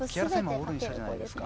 オールインしたじゃないですか。